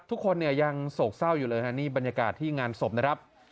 ทุกคนเนี่ยยังโศกเศร้าอยู่เลยฮะนี่บรรยากาศที่งานศพนะครับ